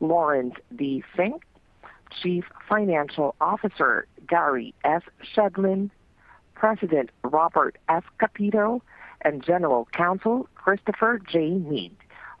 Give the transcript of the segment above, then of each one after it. Laurence D. Fink, Chief Financial Officer, Gary S. Shedlin, President, Robert S. Kapito, and General Counsel Christopher J. Meade.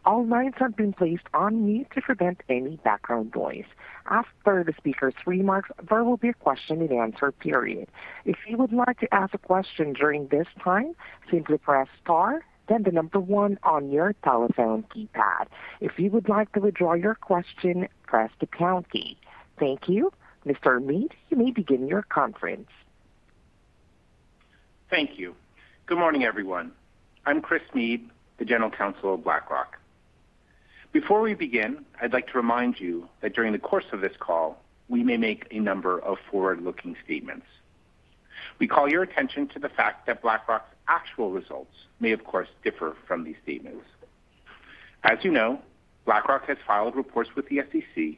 All lines are being placed on mute to prevent any background noise. After the speakers' remarks, there will be a question-and-answer period. If you like to ask a question during this time, simply press star and then number one on your telephone keypad. If you would like to withdraw your question, press the pound key. Thank you. Mr. Meade, you may begin your conference. Thank you. Good morning, everyone. I'm Christopher J. Meade, the General Counsel of BlackRock. Before we begin, I'd like to remind you that during the course of this call, we may make a number of forward-looking statements. We call your attention to the fact that BlackRock's actual results may, of course, differ from these statements. As you know, BlackRock has filed reports with the SEC,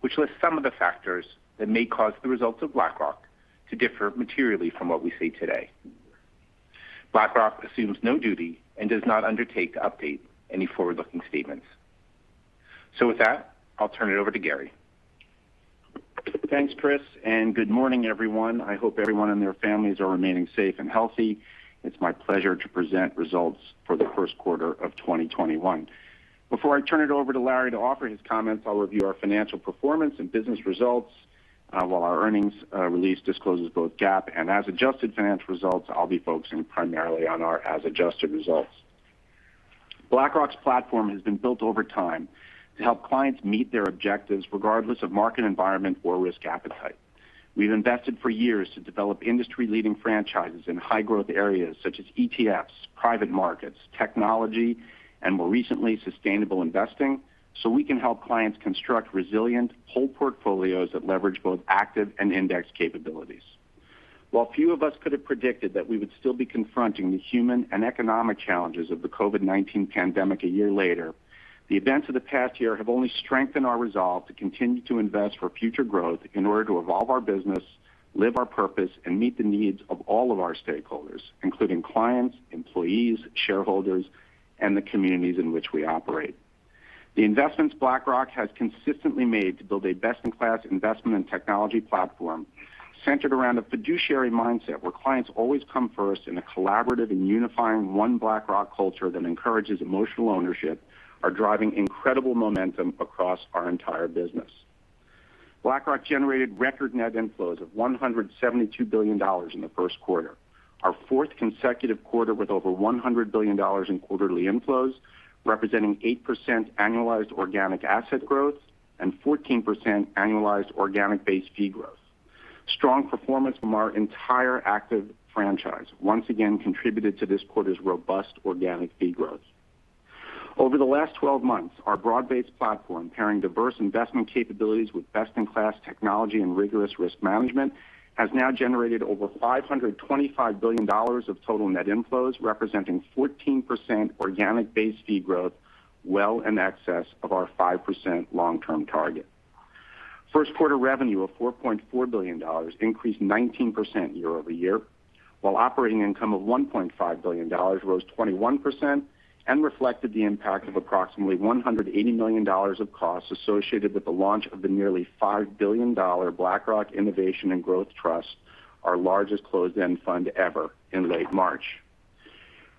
which lists some of the factors that may cause the results of BlackRock to differ materially from what we say today. BlackRock assumes no duty and does not undertake to update any forward-looking statements. With that, I'll turn it over to Gary. Thanks, Christopher, and good morning, everyone. I hope everyone and their families are remaining safe and healthy. It's my pleasure to present results for the first quarter of 2021. Before I turn it over to Laurence to offer his comments, I'll review our financial performance and business results. While our earnings release discloses both GAAP and as-adjusted financial results, I'll be focusing primarily on our as-adjusted results. BlackRock's platform has been built over time to help clients meet their objectives regardless of market environment or risk appetite. We've invested for years to develop industry-leading franchises in high-growth areas such as ETFs, private markets, technology, and more recently, sustainable investing, so we can help clients construct resilient whole portfolios that leverage both active and index capabilities. While few of us could have predicted that we would still be confronting the human and economic challenges of the COVID-19 pandemic a year later, the events of the past year have only strengthened our resolve to continue to invest for future growth in order to evolve our business, live our purpose, and meet the needs of all of our stakeholders, including clients, employees, shareholders, and the communities in which we operate. The investments BlackRock has consistently made to build a best-in-class investment and technology platform centered around a fiduciary mindset where clients always come first in a collaborative and unifying one BlackRock culture that encourages emotional ownership, are driving incredible momentum across our entire business. BlackRock generated record net inflows of $172 billion in the first quarter, our fourth consecutive quarter with over $100 billion in quarterly inflows, representing 8% annualized organic asset growth and 14% annualized organic base fee growth. Strong performance from our entire active franchise once again contributed to this quarter's robust organic fee growth. Over the last 12 months, our broad-based platform, pairing diverse investment capabilities with best-in-class technology and rigorous risk management, has now generated over $525 billion of total net inflows, representing 14% organic base fee growth, well in excess of our 5% long-term target. First quarter revenue of $4.4 billion increased 19% year-over-year, while operating income of $1.5 billion rose 21% and reflected the impact of approximately $180 million of costs associated with the launch of the nearly $5 billion BlackRock Innovation and Growth Trust, our largest closed-end fund ever, in late March.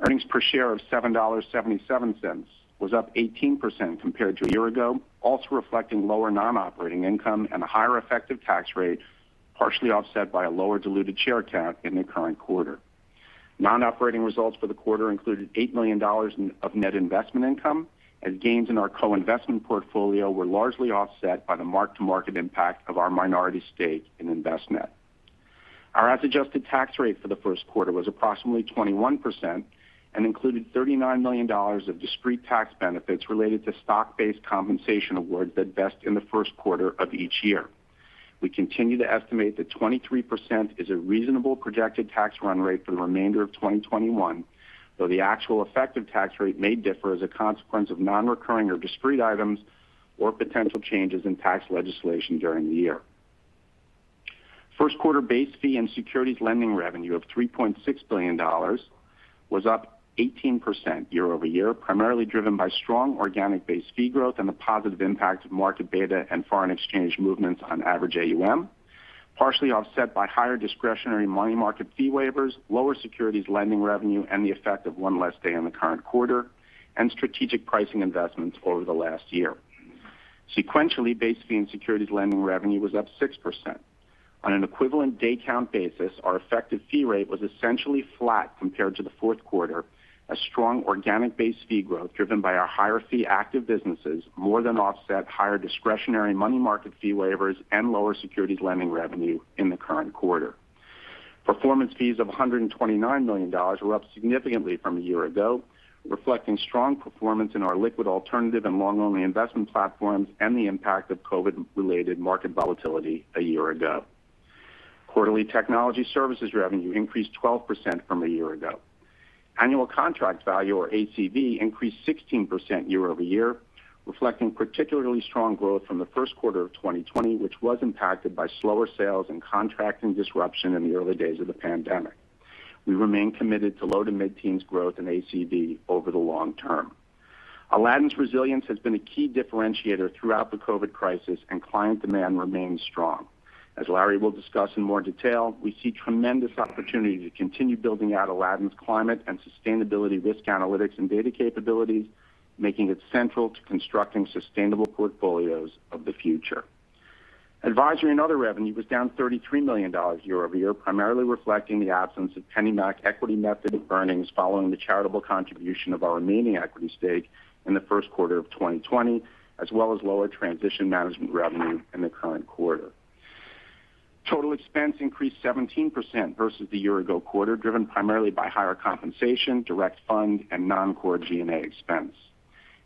Earnings per share of $7.77 was up 18% compared to a year ago, also reflecting lower non-operating income and a higher effective tax rate, partially offset by a lower diluted share count in the current quarter. Non-operating results for the quarter included $8 million of net investment income, as gains in our co-investment portfolio were largely offset by the mark-to-market impact of our minority stake in Envestnet. Our as-adjusted tax rate for the first quarter was approximately 21% and included $39 million of discrete tax benefits related to stock-based compensation awards, the best in the first quarter of each year. We continue to estimate that 23% is a reasonable projected tax run rate for the remainder of 2021, though the actual effective tax rate may differ as a consequence of non-recurring or discrete items or potential changes in tax legislation during the year. First quarter base fee and securities lending revenue of $3.6 billion was up 18% year-over-year, primarily driven by strong organic base fee growth and the positive impact of market beta and foreign exchange movements on average AUM, partially offset by higher discretionary money market fee waivers, lower securities lending revenue, and the effect of one less day in the current quarter, and strategic pricing investments over the last year. Sequentially, base fee and securities lending revenue was up 6%. On an equivalent day count basis, our effective fee rate was essentially flat compared to the fourth quarter, as strong organic base fee growth driven by our higher fee active businesses more than offset higher discretionary money market fee waivers and lower securities lending revenue in the current quarter. Performance fees of $129 million were up significantly from a year ago, reflecting strong performance in our liquid alternative and long-only investment platforms and the impact of COVID-related market volatility a year ago. Quarterly technology services revenue increased 12% from a year ago. Annual contract value or ACV increased 16% year-over-year, reflecting particularly strong growth from the first quarter of 2020, which was impacted by slower sales and contracting disruption in the early days of the pandemic. We remain committed to low- to mid-teens growth in ACV over the long term. Aladdin's resilience has been a key differentiator throughout the COVID crisis. Client demand remains strong. As Laurence will discuss in more detail, we see a tremendous opportunity to continue building out Aladdin's Climate and sustainability risk analytics and data capabilities, making it central to constructing sustainable portfolios of the future. Advisory and other revenue was down $33 million year-over-year, primarily reflecting the absence of PennyMac equity method earnings following the charitable contribution of our remaining equity stake in the first quarter of 2020, as well as lower transition management revenue in the current quarter. Total expense increased 17% versus the year-ago quarter, driven primarily by higher compensation, direct fund, and non-core G&A expense.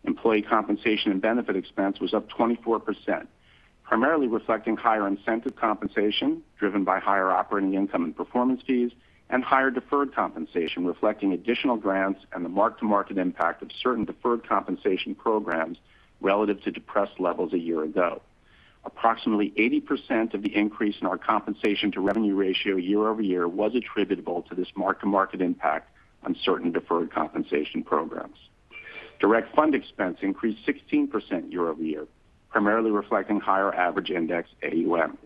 Employee compensation and benefit expense was up 24%, primarily reflecting higher incentive compensation driven by higher operating income and performance fees, and higher deferred compensation reflecting additional grants and the mark-to-market impact of certain deferred compensation programs relative to depressed levels a year ago. Approximately 80% of the increase in our compensation-to-revenue ratio year-over-year was attributable to this mark-to-market impact on certain deferred compensation programs. Direct fund expense increased 16% year-over-year, primarily reflecting higher average index AUM.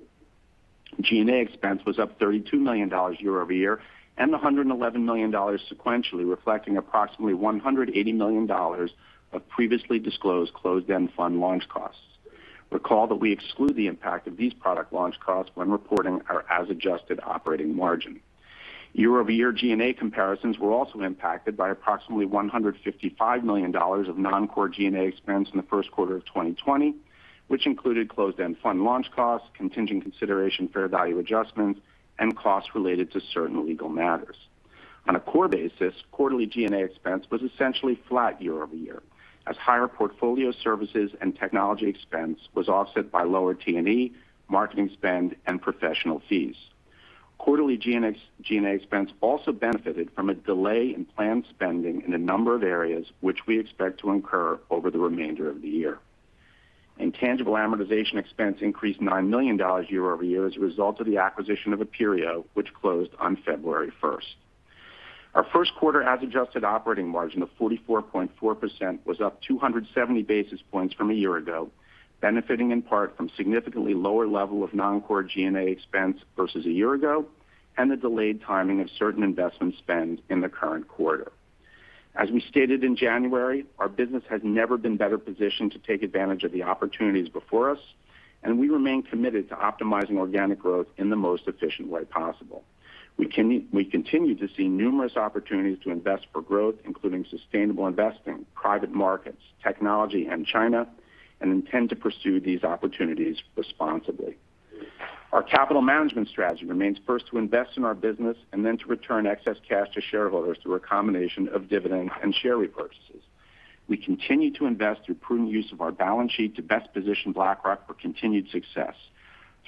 G&A expense was up $32 million year-over-year and $111 million sequentially, reflecting approximately $180 million of previously disclosed closed-end fund launch costs. Recall that we exclude the impact of these product launch costs when reporting our as-adjusted operating margin. Year-over-year G&A comparisons were also impacted by approximately $155 million of non-core G&A expense in the first quarter of 2020, which included closed-end fund launch costs, contingent consideration, fair value adjustments, and costs related to certain legal matters. On a core basis, quarterly G&A expense was essentially flat year-over-year as higher portfolio services and technology expense was offset by lower T&E, marketing spends, and professional fees. Quarterly G&A expense also benefited from a delay in planned spending in a number of areas, which we expect to incur over the remainder of the year. Intangible amortization expense increased $9 million year-over-year as a result of the acquisition of Aperio, which closed on February 1st. Our first quarter as-adjusted operating margin of 44.4% was up 270 basis points from a year ago, benefiting in part from significantly lower levels of non-core G&A expense versus a year ago, and the delayed timing of certain investment spend in the current quarter. As we stated in January, our business has never been better positioned to take advantage of the opportunities before us, and we remain committed to optimizing organic growth in the most efficient way possible. We continue to see numerous opportunities to invest for growth, including sustainable investing, private markets, technology, and China, and intend to pursue these opportunities responsibly. Our capital management strategy remains first to invest in our business and then to return excess cash to shareholders through a combination of dividends and share repurchases. We continue to invest through prudent use of our balance sheet to best position BlackRock for continued success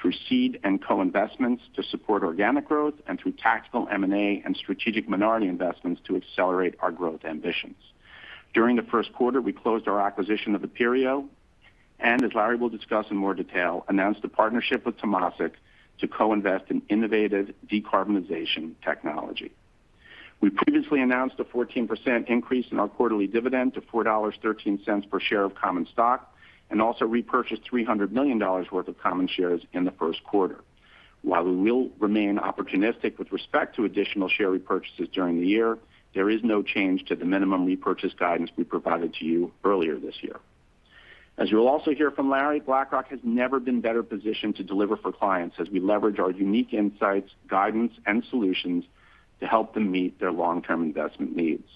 through seed and co-investments to support organic growth and through tactical M&A and strategic minority investments to accelerate our growth ambitions. During the first quarter, we closed our acquisition of Aperio and, as Laurence will discuss in more detail, announced a partnership with Temasek to co-invest in innovative decarbonization technology. We previously announced a 14% increase in our quarterly dividend to $4.13 per share of common stock and also repurchased $300 million worth of common shares in the first quarter. While we will remain opportunistic with respect to additional share repurchases during the year, there is no change to the minimum repurchase guidance we provided to you earlier this year. As you will also hear from Laurence, BlackRock has never been better positioned to deliver for clients as we leverage our unique insights, guidance, and solutions to help them meet their long-term investment needs.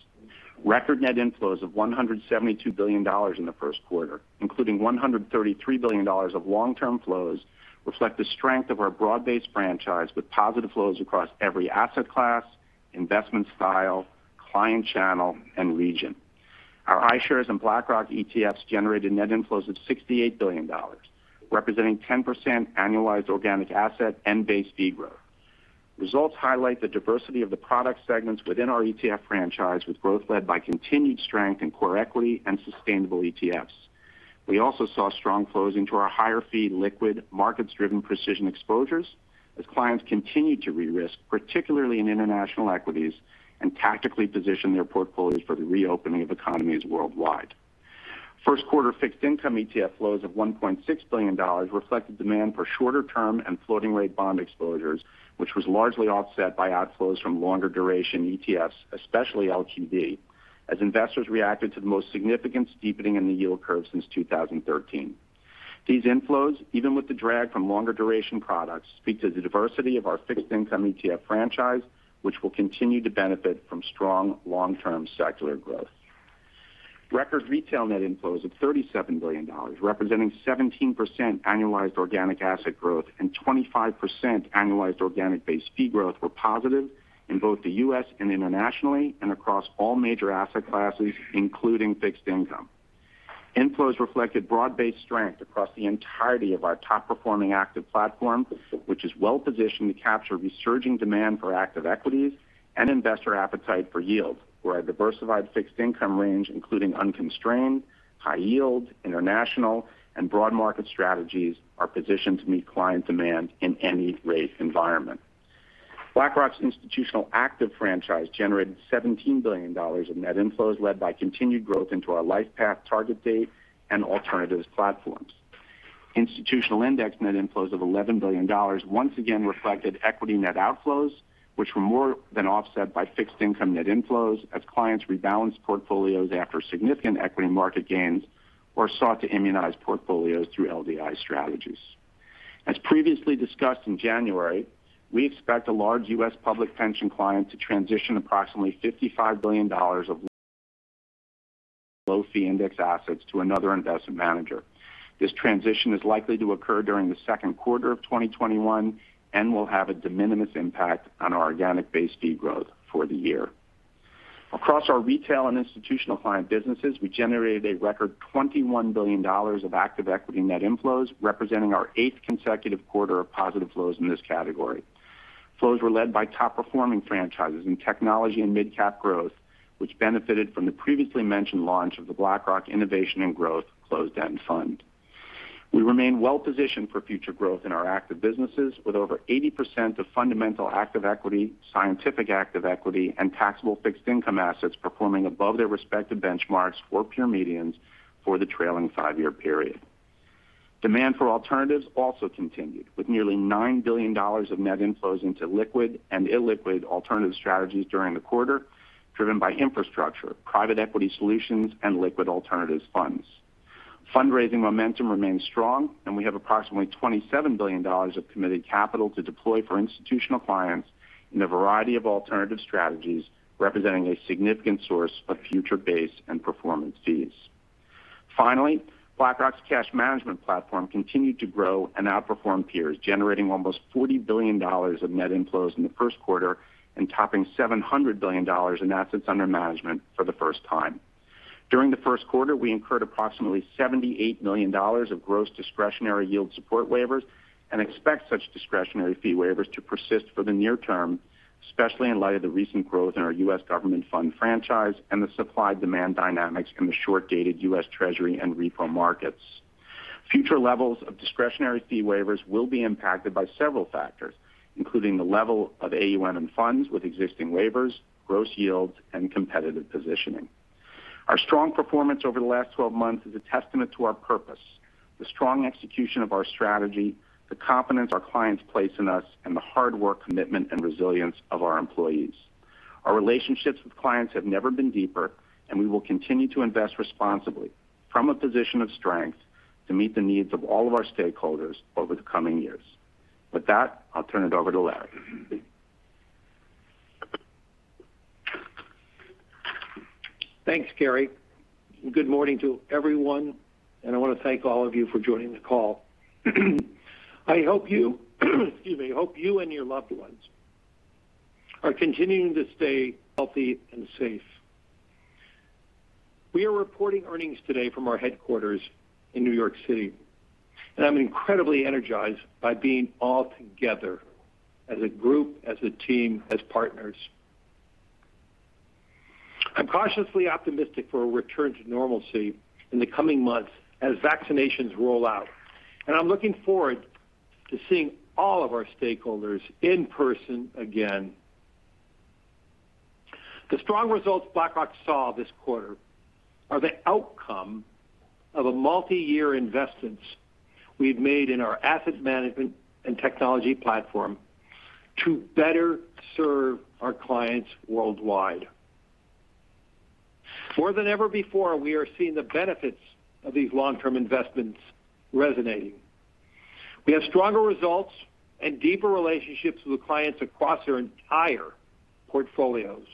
Record net inflows of $172 billion in the first quarter, including $133 billion of long-term flows, reflect the strength of our broad-based franchise with positive flows across every asset class, investment style, client channel, and region. Our iShares and BlackRock ETFs generated net inflows of $68 billion, representing 10% annualized organic asset and base fee growth. Results highlight the diversity of the product segments within our ETF franchise, with growth led by continued strength in core equity and sustainable ETFs. We also saw strong flows into our higher-fee, liquid, markets-driven precision exposures as clients continued to re-risk, particularly in international equities, and tactically position their portfolios for the reopening of economies worldwide. First-quarter fixed-income ETF flows of $1.6 billion reflected demand for shorter-term and floating-rate bond exposures, which was largely offset by outflows from longer-duration ETFs, especially LQD, as investors reacted to the most significant steepening in the yield curve since 2013. These inflows, even with the drag from longer duration products, speak to the diversity of our fixed income ETF franchise, which will continue to benefit from strong long-term secular growth. Record retail net inflows of $37 billion, representing 17% annualized organic asset growth and 25% annualized organic base fee growth, were positive in both the U.S. and internationally and across all major asset classes, including fixed income. Inflows reflected broad-based strength across the entirety of our top-performing active platform, which is well-positioned to capture resurging demand for active equities and investor appetite for yield, where a diversified fixed income range, including unconstrained, high yield, international, and broad market strategies are positioned to meet client demand in any rate environment. BlackRock's institutional active franchise generated $17 billions of net inflows, led by continued growth into our LifePath target date and alternatives platforms. Institutional index net inflows of $11 billion once again reflected equity net outflows, which were more than offset by fixed income net inflows as clients rebalanced portfolios after significant equity market gains or sought to immunize portfolios through LDI strategies. As previously discussed in January, we expect a large U.S. public pension client to transition approximately $55 billions of low fee index assets to another investment manager. This transition is likely to occur during the second quarter of 2021 and will have a de minimis impact on our organic base fee growth for the year. Across our retail and institutional client businesses, we generated a record $21 billions of active equity net inflows, representing our eighth consecutive quarter of positive flows in this category. Flows were led by top-performing franchises in technology and mid-cap growth, which benefited from the previously mentioned launch of the BlackRock Innovation and Growth Trust. We remain well-positioned for future growth in our active businesses, with over 80% of fundamental active equity, scientific active equity, and taxable fixed income assets performing above their respective benchmarks for peer medians for the trailing five-year period. Demand for alternatives also continued, with nearly $9 billion of net inflows into liquid and illiquid alternative strategies during the quarter, driven by infrastructure, private equity solutions, and liquid alternatives funds. Fundraising momentum remains strong, and we have approximately $27 billion of committed capital to deploy for institutional clients in a variety of alternative strategies, representing a significant source of future base and performance fees. Finally, BlackRock's cash management platform continued to grow and outperform peers, generating almost $40 billion of net inflows in the first quarter and topping $700 billion in assets under management for the first time. During the first quarter, we incurred approximately $78 million of gross discretionary yield support waivers and expect such discretionary fee waivers to persist for the near term, especially in light of the recent growth in our US Government Fund franchise and the supply-demand dynamics in the short-dated U.S. Treasury and repo markets. Future levels of discretionary fee waivers will be impacted by several factors, including the level of AUM in funds with existing waivers, gross yields, and competitive positioning. Our strong performance over the last 12 months is a testament to our purpose, the strong execution of our strategy, the confidence our clients place in us, and the hard work, commitment and resilience of our employees. We will continue to invest responsibly from a position of strength to meet the needs of all of our stakeholders over the coming years. With that, I'll turn it over to Laurence. Thanks, Gary. Good morning to everyone, and I want to thank all of you for joining the call. I hope you and your loved ones are continuing to stay healthy and safe. We are reporting earnings today from our headquarters in New York City, and I'm incredibly energized by being all together as a group, as a team, as partners. I'm cautiously optimistic for a return to normalcy in the coming months as vaccinations roll out, and I'm looking forward to seeing all of our stakeholders in person again. The strong results BlackRock saw this quarter are the outcome of multi-year investments we've made in our asset management and technology platform to better serve our clients worldwide. More than ever before, we are seeing the benefits of these long-term investments resonating. We have stronger results and deeper relationships with clients across their entire portfolios.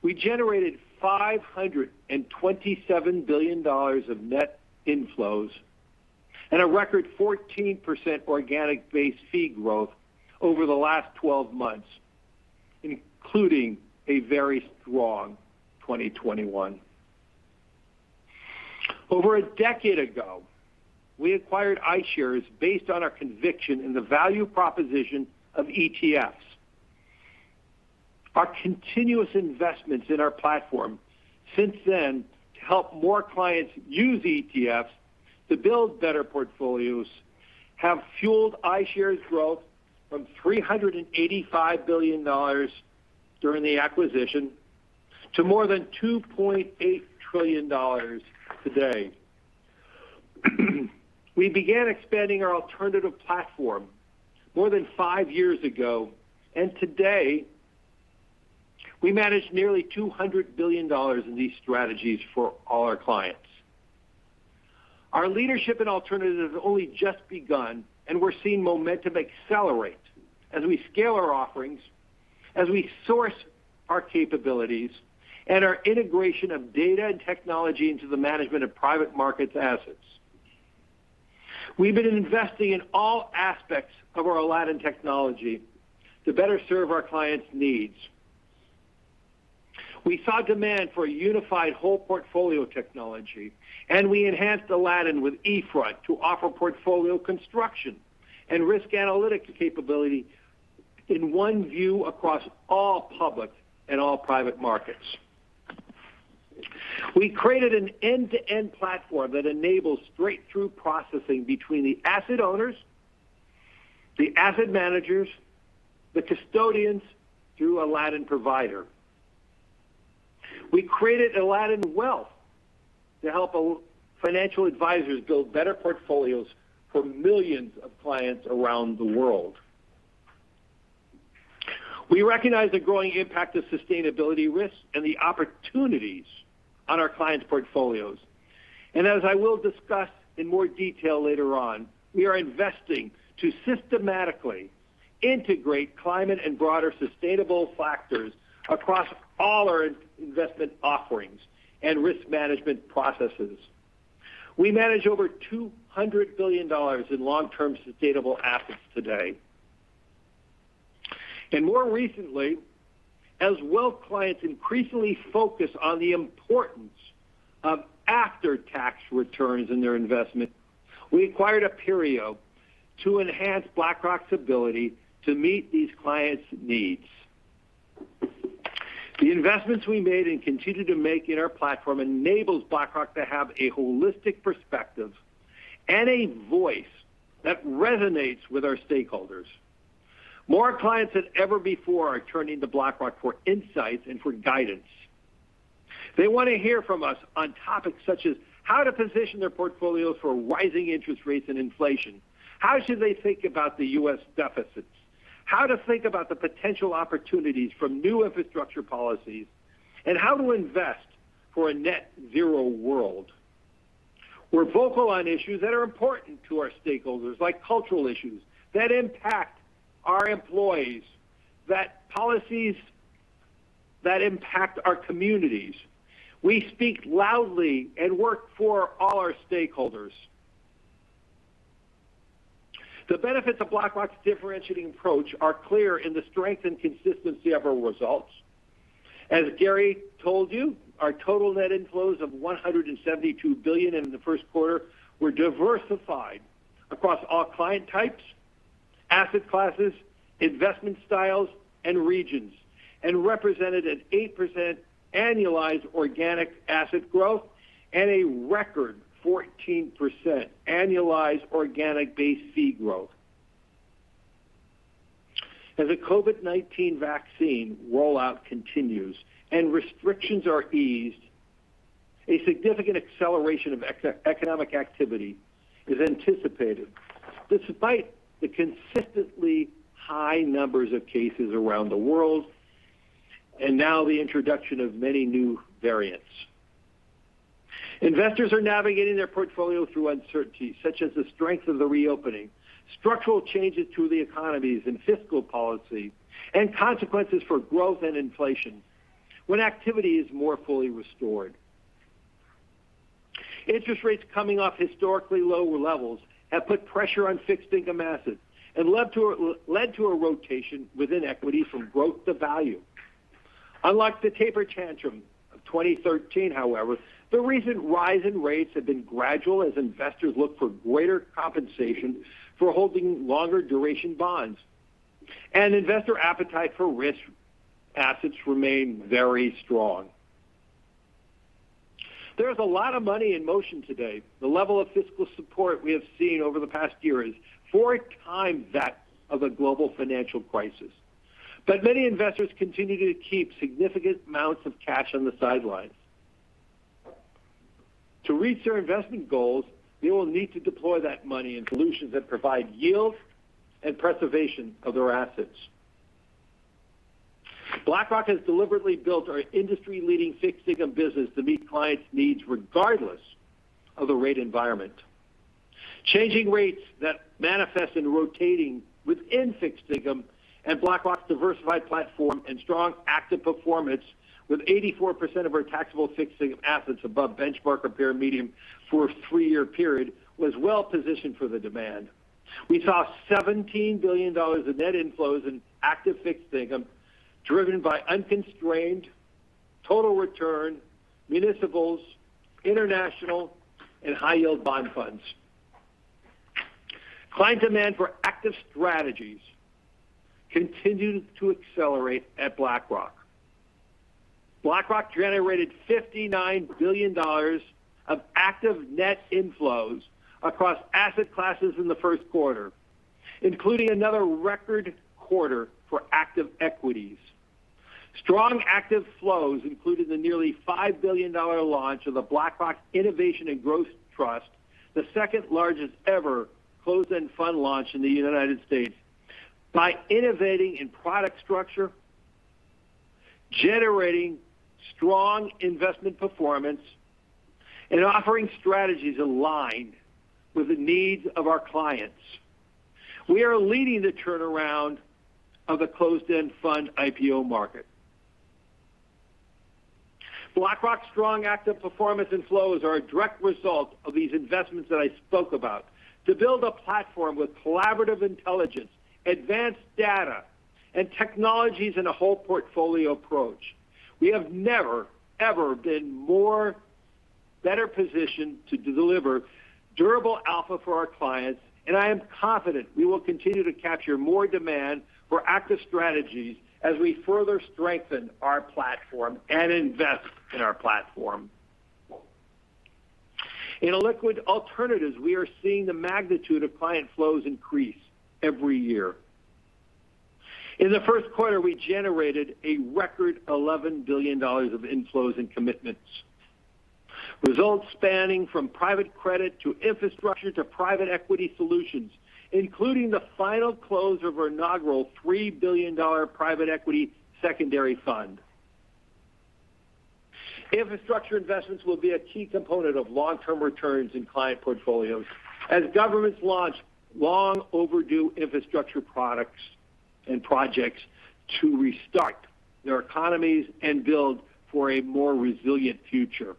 We generated $527 billion of net inflows and a record 14% organic base fee growth over the last 12 months, including a very strong 2021. Over a decade ago, we acquired iShares based on our conviction in the value proposition of ETFs. Our continuous investments in our platform since then to help more clients use ETFs to build better portfolios have fueled iShares growth from $385 billion during the acquisition to more than $2.8 trillion today. We began expanding our alternative platform more than five years ago. Today, we manage nearly $200 billion in these strategies for all our clients. Our leadership in alternatives has only just begun. We're seeing momentum accelerate as we scale our offerings, as we source our capabilities, and our integration of data and technology into the management of private market assets. We've been investing in all aspects of our Aladdin technology to better serve our clients' needs. We saw demand for a unified whole portfolio technology, we enhanced Aladdin with eFront to offer portfolio construction and risk analytic capability in one view across all public and all private markets. We created an end-to-end platform that enables straight-through processing between the asset owners, the asset managers, the custodians through Aladdin Provider. We created Aladdin Wealth to help financial advisors build better portfolios for millions of clients around the world. We recognize the growing impact of sustainability risks and the opportunities on our clients' portfolios. As I will discuss in more detail later on, we are investing to systematically integrate climate and broader sustainable factors across all our investment offerings and risk management processes. We manage over $200 billion in long-term sustainable assets today. More recently, as wealth clients increasingly focus on the importance of after-tax returns in their investment, we acquired Aperio to enhance BlackRock's ability to meet these clients' needs. The investments we made and continue to make in our platform enable BlackRock to have a holistic perspective and a voice that resonates with our stakeholders. More clients than ever before are turning to BlackRock for insights and for guidance. They want to hear from us on topics such as how to position their portfolios for rising interest rates and inflation, how should they think about the U.S. deficits, how to think about the potential opportunities from new infrastructure policies, and how to invest for a net zero world. We're vocal on issues that are important to our stakeholders, like cultural issues that impact our employees, policies that impact our communities. We speak loudly and work for all our stakeholders. The benefits of BlackRock's differentiating approach are clear in the strength and consistency of our results. As Gary told you, our total net inflows of $172 billion in the first quarter were diversified across all client types, asset classes, investment styles, and regions, and represented an 8% annualized organic asset growth and a record 14% annualized organic base fee growth. As the COVID-19 vaccine rollout continues and restrictions are eased, a significant acceleration of economic activity is anticipated, despite the consistently high numbers of cases around the world and now the introduction of many new variants. Investors are navigating their portfolio through uncertainty, such as the strength of the reopening, structural changes to the economies and fiscal policy, and consequences for growth and inflation when activity is more fully restored. Interest rates coming off historically lower levels have put pressure on fixed income assets and led to a rotation within equity from growth to value. Unlike the taper tantrum of 2013, however, the recent rise in rates has been gradual as investors look for greater compensation for holding longer duration bonds, and investor appetite for risk assets remains very strong. There's a lot of money in motion today. The level of fiscal support we have seen over the past year is four times that of a global financial crisis. Many investors continue to keep significant amounts of cash on the sidelines. To reach their investment goals, they will need to deploy that money in solutions that provide yield and preservation of their assets. BlackRock has deliberately built our industry-leading fixed income business to meet clients' needs regardless of the rate environment. Changing rates that manifest in rotating within fixed income and BlackRock's diversified platform and strong active performance with 84% of our taxable fixed income assets above benchmark or peer median for a three-year period, were well-positioned for the demand. We saw $17 billions of net inflows in active fixed income driven by unconstrained total return municipals, international, and high-yield bond funds. Client demand for active strategies continued to accelerate at BlackRock. BlackRock generated $59 billion of active net inflows across asset classes in the first quarter, including another record quarter for active equities. Strong active flows included the nearly $5 billion launch of the BlackRock Innovation and Growth Trust, the second-largest-ever closed-end fund launch in the U.S. By innovating in product structure, generating strong investment performance, and offering strategies aligned with the needs of our clients, we are leading the turnaround of the closed-end fund IPO market. BlackRock's strong active performance and flows are a direct result of these investments that I spoke about to build a platform with collaborative intelligence, advanced data, and technologies in a whole portfolio approach. We have never, ever been better positioned to deliver durable alpha for our clients, and I am confident we will continue to capture more demand for active strategies as we further strengthen our platform and invest in our platform. In liquid alternatives, we are seeing the magnitude of client flows increase every year. In the first quarter, we generated a record $11 billion of inflows and commitments. Results spanning from private credit to infrastructure to private equity solutions, including the final close of our inaugural $3 billion private equity secondary fund. Infrastructure investments will be a key component of long-term returns in client portfolios as governments launch long-overdue infrastructure products and projects to restart their economies and build for a more resilient future.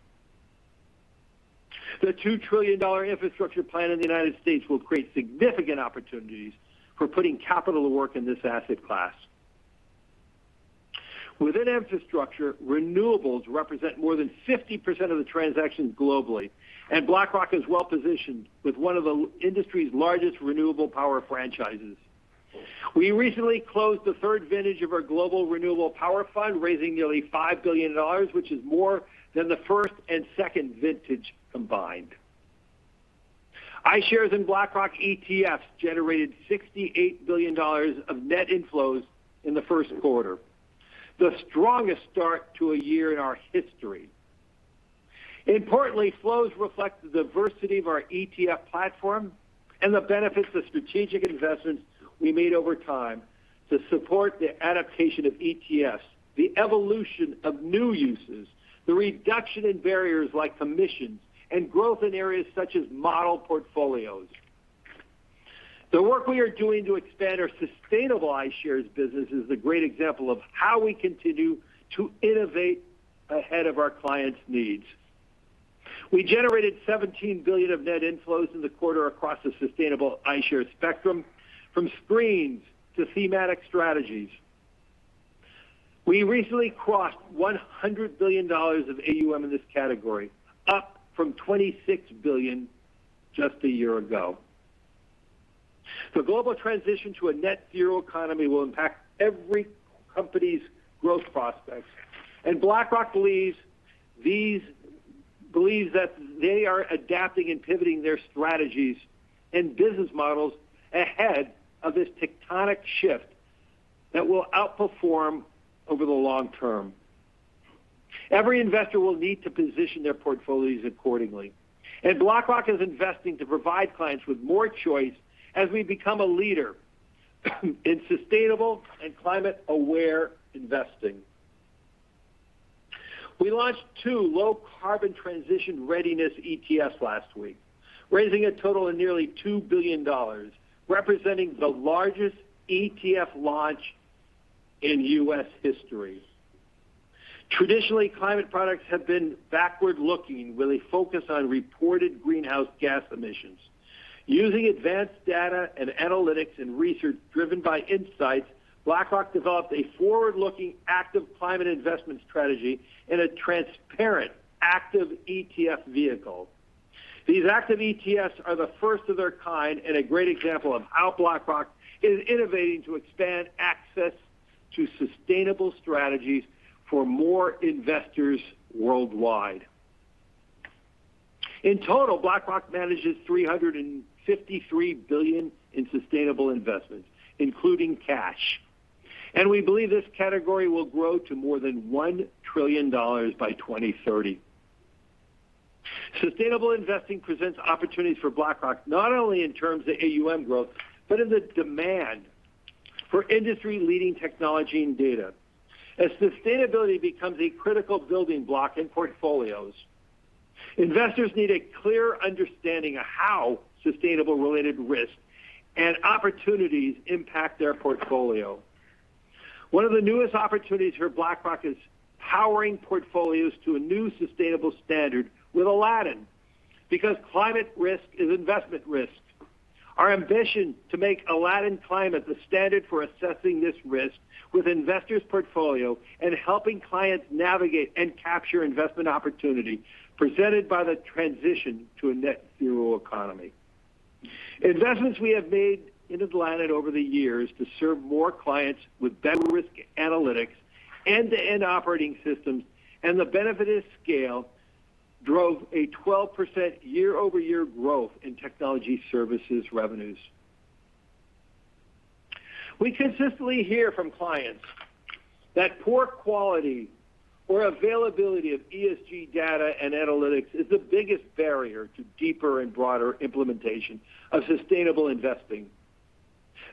The $2 trillion infrastructure plan in the U.S. will create significant opportunities for putting capital to work in this asset class. Within infrastructure, renewables represent more than 50% of the transactions globally, and BlackRock is well-positioned with one of the industry's largest renewable power franchises. We recently closed the third vintage of our Global Renewable Power Fund, raising nearly $5 billion, which is more than the first and second vintages combined. iShares in BlackRock ETFs generated $68 billion of net inflows in the first quarter, the strongest start to a year in our history. Flows reflect the diversity of our ETF platform and the benefits of strategic investments we made over time to support the adaptation of ETFs, the evolution of new uses, the reduction in barriers like commissions, and growth in areas such as model portfolios. The work we are doing to expand our sustainable iShares business is a great example of how we continue to innovate ahead of our clients' needs. We generated $17 billion of net inflows in the quarter across the sustainable iShares spectrum, from screens to thematic strategies. We recently crossed $100 billions of AUM in this category, up from $26 billion just a year ago. The global transition to a net-zero economy will impact every company's growth prospects. BlackRock believes that they are adapting and pivoting their strategies and business models ahead of this tectonic shift that will outperform over the long term. Every investor will need to position their portfolios accordingly. BlackRock is investing to provide clients with more choice as we become a leader in sustainable and climate-aware investing. We launched two low-carbon transition readiness ETFs last week, raising a total of nearly $2 billion, representing the largest ETF launch in U.S. history. Traditionally, climate products have been backward-looking with a focus on reported greenhouse gas emissions. Using advanced data and analytics and research driven by insights, BlackRock developed a forward-looking, active climate investment strategy in a transparent, active ETF vehicle. These active ETFs are the first of their kind and a great example of how BlackRock is innovating to expand access to sustainable strategies for more investors worldwide. In total, BlackRock manages $353 billion in sustainable investments, including cash. We believe this category will grow to more than $1 trillion by 2030. Sustainable investing presents opportunities for BlackRock, not only in terms of AUM growth, but in the demand for industry-leading technology and data. As sustainability becomes a critical building block in portfolios, investors need a clear understanding of how sustainable related risks and opportunities impact their portfolio. One of the newest opportunities for BlackRock is powering portfolios to a new sustainable standard with Aladdin because climate risk is investment risk. Our ambition to make Aladdin Climate the standard for assessing this risk with investors' portfolios and helping clients navigate and capture investment opportunity presented by the transition to a net-zero economy. Investments we have made into Aladdin over the years to serve more clients with better risk analytics, end-to-end operating systems, and the benefit of scale drove a 12% year-over-year growth in technology services revenues. We consistently hear from clients that poor quality or availability of ESG data and analytics is the biggest barrier to deeper and broader implementation of sustainable investing.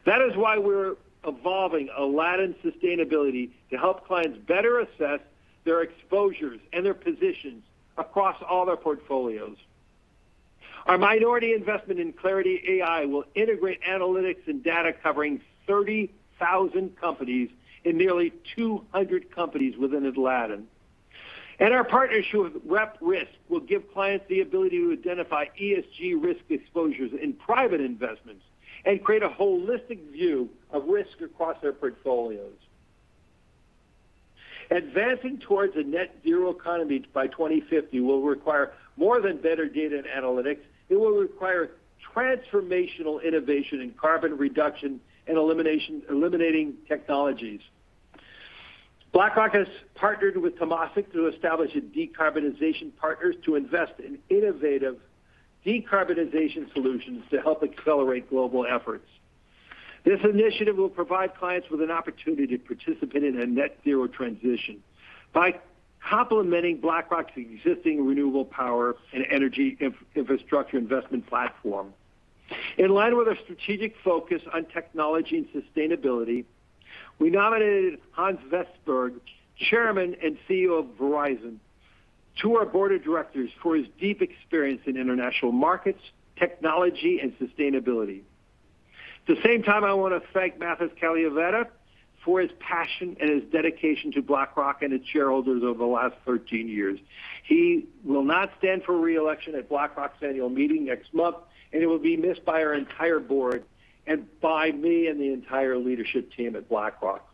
That is why we're evolving Aladdin Sustainability to help clients better assess their exposures and their positions across all their portfolios. Our minority investment in Clarity AI will integrate analytics and data covering 30,000 companies and nearly 200 companies within Aladdin. Our partnership with RepRisk will give clients the ability to identify ESG risk exposures in private investments and create a holistic view of risk across their portfolios. Advancing towards a net-zero economy by 2050 will require more than better data and analytics. It will require transformational innovation in carbon reduction and eliminating technologies. BlackRock has partnered with Temasek to establish Decarbonization Partners to invest in innovative decarbonization solutions to help accelerate global efforts. This initiative will provide clients with an opportunity to participate in a net-zero transition by complementing BlackRock's existing renewable power and energy infrastructure investment platform. In line with our strategic focus on technology and sustainability, we nominated Hans Vestberg, Chairman and CEO of Verizon, to our board of directors for his deep experience in international markets, technology, and sustainability. At the same time, I want to thank Mathis Cabiallavetta for his passion and his dedication to BlackRock and its shareholders over the last 13 years. He will not stand for re-election at BlackRock's annual meeting next month. He will be missed by our entire board, by me and the entire leadership team at BlackRock.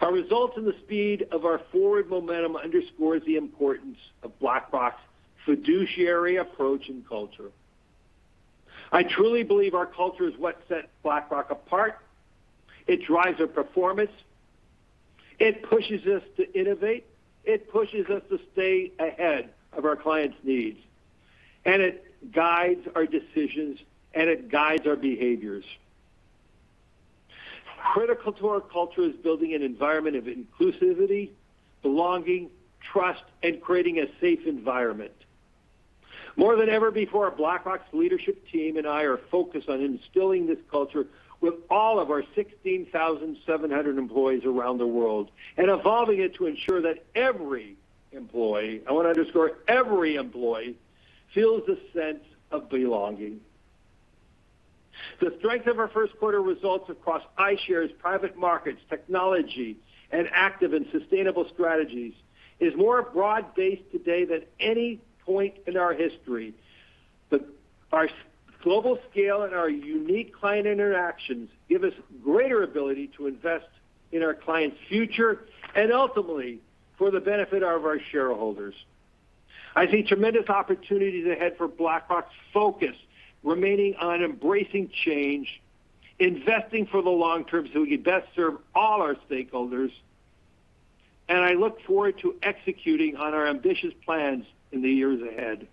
Our results and the speed of our forward momentum underscore the importance of BlackRock's fiduciary approach and culture. I truly believe our culture is what sets BlackRock apart. It drives our performance, it pushes us to innovate, it pushes us to stay ahead of our clients' needs, and it guides our decisions and our behaviors. Critical to our culture is building an environment of inclusivity, belonging, trust, and creating a safe environment. More than ever before, BlackRock's leadership team and I are focused on instilling this culture with all of our 16,700 employees around the world, and evolving it to ensure that every employee, I want to underscore every employee, feels a sense of belonging. Our global scale and our unique client interactions give us a greater ability to invest in our clients' future and ultimately for the benefit of our shareholders. I see tremendous opportunities ahead for BlackRock's focus remaining on embracing change, investing for the long term so we best serve all our stakeholders, and I look forward to executing on our ambitious plans in the years ahead.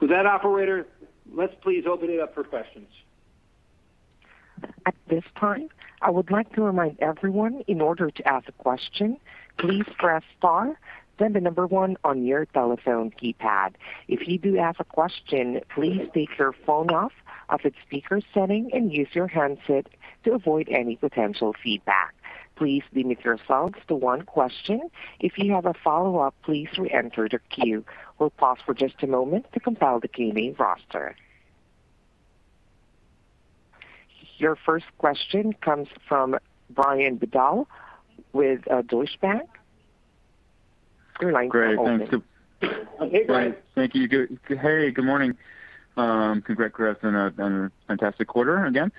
With that, operator, let's please open it up for questions. At this time, I would like to remind everyone in order to ask a question, please press star and then number one on your telephone keypad. If you do ask a question, please take your phone now as per the speaker setting and use the handset to avoid any potential feedback. Please limit your sound to one question, and if you have a follow-up, please re-enter the queue. We pause for just the moment to compile the [question] process. Your first question comes from Brian Bedell with Deutsche Bank. Your line is open. Hey, Brian. Thank you. Hey, good morning. Congrats on a fantastic quarter again.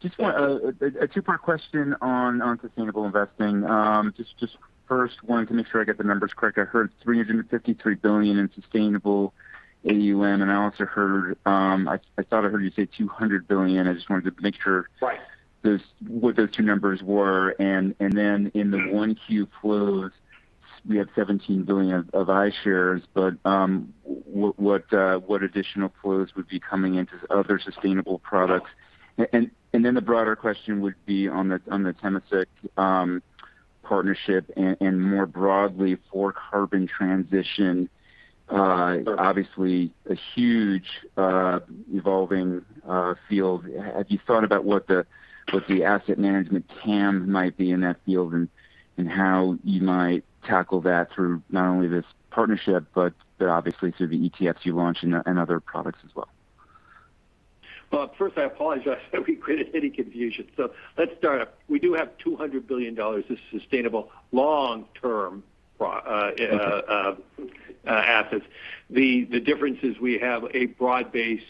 Just a two-part question on sustainable investing. Just first wanted to make sure I get the numbers correct. I heard $353 billion in sustainable AUM, and I thought I heard you say $200 billion. I just wanted to make sure. Right What those two numbers were. In the 1Q flows, we had $17 billion of iShares, but what additional flows would be coming into other sustainable products? The broader question would be on the Temasek partnership and more broadly for carbon transition, obviously a huge evolving field. Have you thought about what the asset management TAM might be in that field and how you might tackle that through not only this partnership, but obviously through the ETFs you launch and other products as well? Well, first, I apologize if we created any confusion. Let's start up. We do have $200 billion in sustainable long-term assets. The difference is we have a broad-based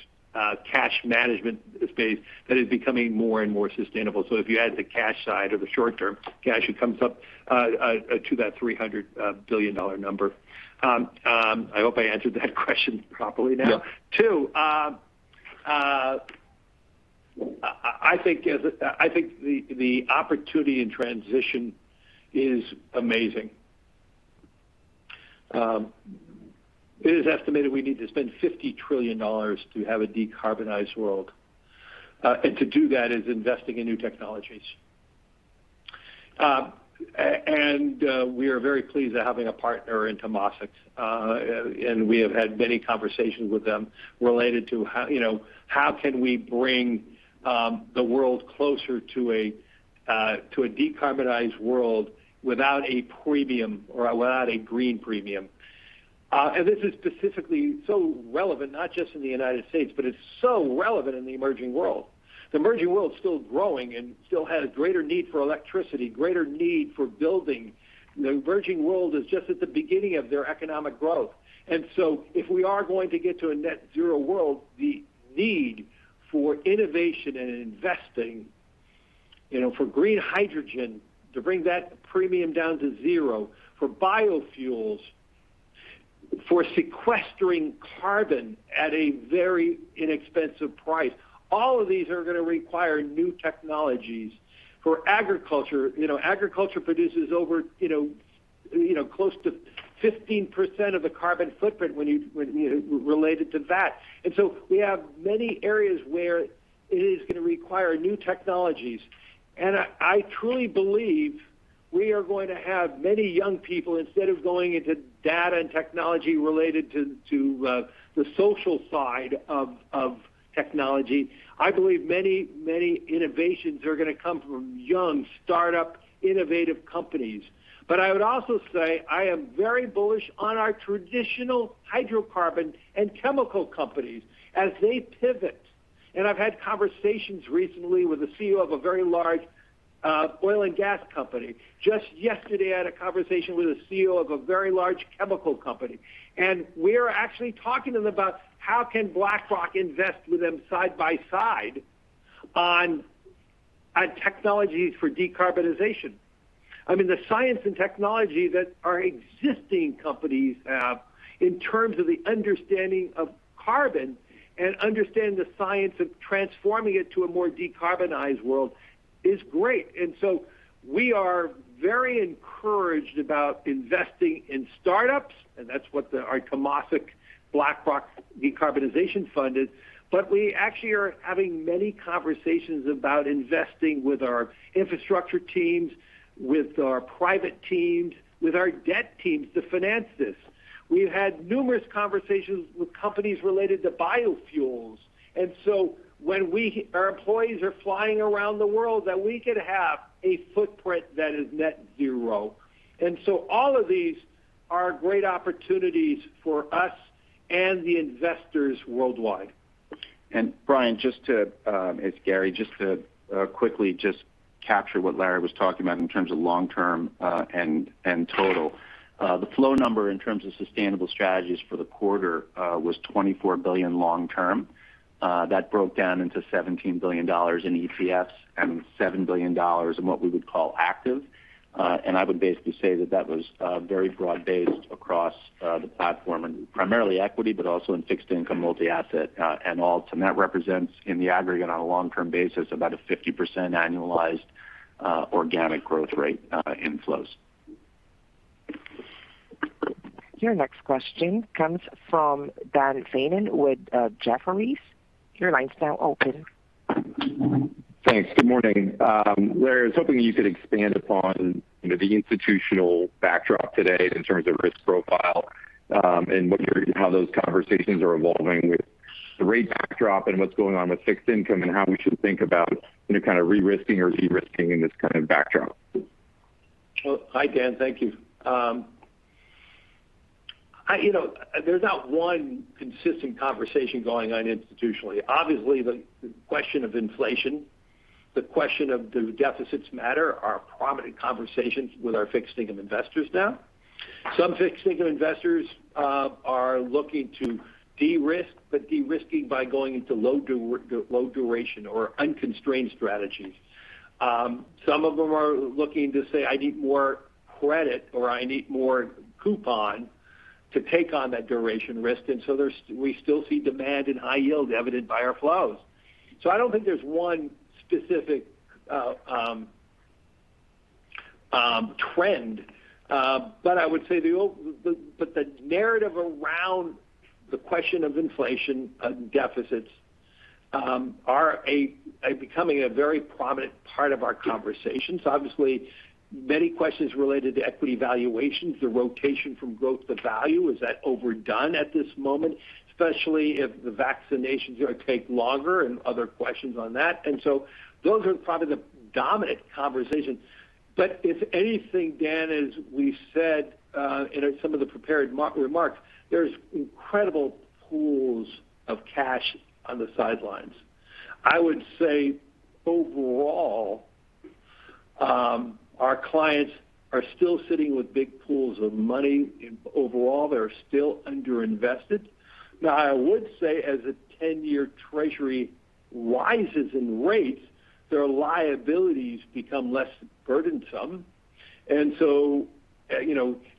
cash management space that is becoming more and more sustainable. If you add the cash side or the short-term cash, it comes up to that $300 billion number. I hope I answered that question properly now. Yeah. Two, I think the opportunity in transition is amazing. It is estimated we need to spend $50 trillion to have a decarbonized world. To do that is investing in new technologies. We are very pleased at having a partner in Temasek, and we have had many conversations with them related to how can we bring the world closer to a decarbonized world without a premium or without a green premium. This is specifically so relevant, not just in the United States, but it's so relevant in the emerging world. The emerging world's still growing and still has a greater need for electricity, greater need for building. The emerging world is just at the beginning of their economic growth. If we are going to get to a net-zero world, the need for innovation and investing for green hydrogen to bring that premium down to zero, for biofuels, for sequestering carbon at a very inexpensive price. All of these are going to require new technologies. For agriculture produces over close to 15% of the carbon footprint related to that. We have many areas where it is going to require new technologies. I truly believe we are going to have many young people, instead of going into data and technology related to the social side of technology, I believe many innovations are going to come from young, startup, innovative companies. I would also say, I am very bullish on our traditional hydrocarbon and chemical companies as they pivot. I've had conversations recently with the CEO of a very large oil and gas company. Just yesterday, I had a conversation with a CEO of a very large chemical company. We are actually talking to them about how can BlackRock invest with them side by side on technologies for decarbonization. The science and technology that our existing companies have in terms of the understanding of carbon and understanding the science of transforming it to a more decarbonized world is great. We are very encouraged about investing in startups, and that's what our Temasek BlackRock Decarbonization Fund is. We actually are having many conversations about investing with our infrastructure teams, with our private teams, with our debt teams to finance this. We've had numerous conversations with companies related to biofuels. When our employees are flying around the world, that we could have a footprint that is net zero. All of these are great opportunities for us and the investors worldwide. Brian, it's Gary, just to quickly just capture what Laurence was talking about in terms of long-term and total. The flow number in terms of sustainable strategies for the quarter was $24 billion long-term. That broke down into $17 billion in ETFs and $7 billion in what we would call active. I would basically say that that was very broad-based across the platform, and primarily equity, but also in fixed income, multi-asset, and alt. That represents, in the aggregate on a long-term basis, about 50% annualized organic growth rate inflows. Your next question comes from Dan Fannon with Jefferies. Your line's now open. Thanks. Good morning. Laurence, I was hoping you could expand upon the institutional backdrop today in terms of risk profile, and how those conversations are evolving with the rate backdrop, and what's going on with fixed income, and how we should think about re-risking or de-risking in this kind of backdrop. Well, hi Dan. Thank you. There's not one consistent conversation going on institutionally. Obviously, the question of inflation, the question of do deficits matter, are prominent conversations with our fixed income investors now. Some fixed-income investors are looking to de-risk, but de-risking by going into low-duration or unconstrained strategies. Some of them are looking to say, "I need more credit," or "I need more coupons to take on that duration risk." We still see demand in high yield evidenced by our flows. I don't think there's one specific trend. I would say the narrative around the question of inflation and deficits are becoming a very prominent part of our conversations. Obviously, many questions related to equity valuations, the rotation from growth to value. Is that overdone at this moment? Especially if the vaccinations are going to take longer, and other questions on that. Those are probably the dominant conversations. If anything, Dan, as we said in some of the prepared remarks, there's incredible pools of cash on the sidelines. I would say overall, our clients are still sitting with big pools of money. Overall, they're still under-invested. Now, I would say as a 10-year Treasury rises in rates, their liabilities become less burdensome.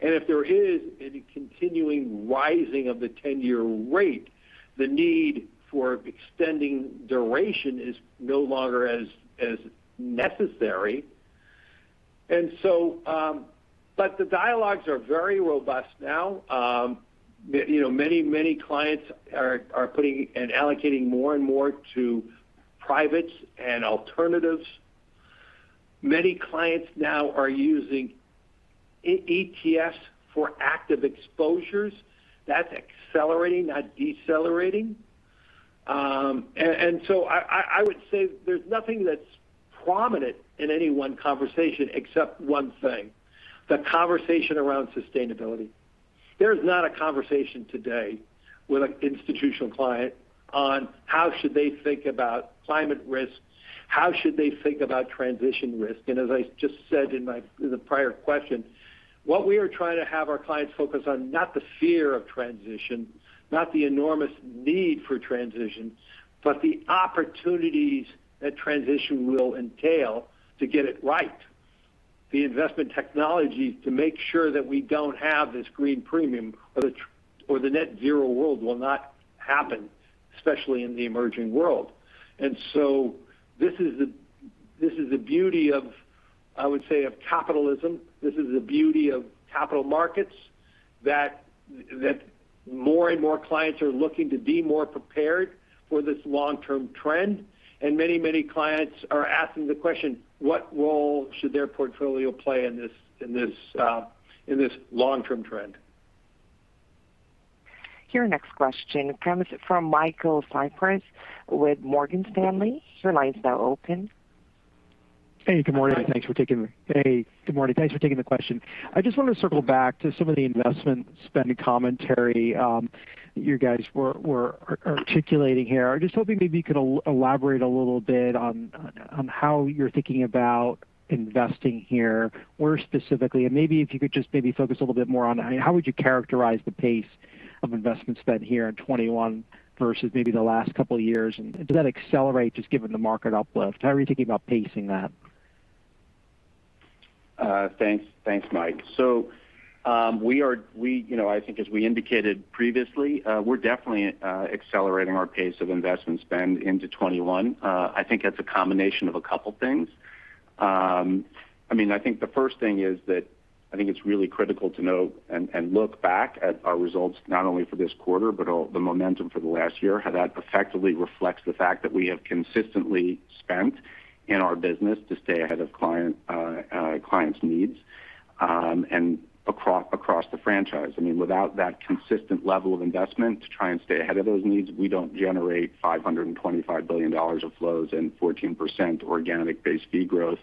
If there is any continuing rising of the 10-year rate, the need for extending duration is no longer as necessary. The dialogues are very robust now. Many clients are putting and allocating more and more to private and alternatives. Many clients now are using ETFs for active exposures. That's accelerating, not decelerating. I would say there's nothing that's prominent in any one conversation except one thing, the conversation around sustainability. There's not a conversation today with an institutional client on how should they think about climate risk, how should they think about transition risk. As I just said in the prior question, what we are trying to have our clients focus on, not the fear of transition, not the enormous need for transition, but the opportunities that transition will entail to get it right. The investment technologies to make sure that we don't have this green premium, or the net-zero world will not happen, especially in the emerging world. This is the beauty of, I would say, capitalism. This is the beauty of capital markets, that more and more clients are looking to be more prepared for this long-term trend. Many clients are asking the question, what role should their portfolio play in this long-term trend? Your next question comes from Michael Cyprys with Morgan Stanley. Your line's now open. Hey, good morning. Thanks for taking the question. I just want to circle back to some of the investment spend commentary you guys were articulating here. I'm just hoping maybe you could elaborate a little bit on how you're thinking about investing here, where specifically, and maybe if you could just maybe focus a little bit more on how would you characterize the pace of investment spend here in 2021 versus maybe the last couple of years. Does that accelerate just given the market uplift? How are you thinking about pacing that? Thanks, Mike. I think, as we indicated previously, we're definitely accelerating our pace of investment spend into 2021. I think that's a combination of a couple things. I think the first thing is that I think it's really critical to know and look back at our results not only for this quarter, but the momentum for the last year, how that effectively reflects the fact that we have consistently spent in our business to stay ahead of clients' needs, and across the franchise. Without that consistent level of investment to try and stay ahead of those needs, we don't generate $525 billion of flows and 14% organic base fee growth,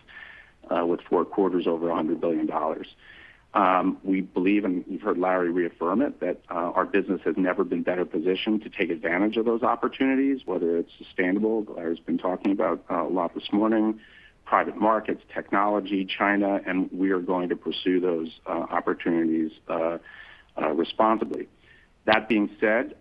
with four quarters over $100 billion. We believe, and you've heard Laurence reaffirm it, that our business has never been better positioned to take advantage of those opportunities, whether it's sustainable, Laurence's been talking about a lot this morning, private markets, technology, China. We are going to pursue those opportunities responsibly. That being said,